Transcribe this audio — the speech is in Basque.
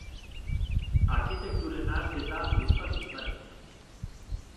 Arkitekturen nahasketa gustatzen zait.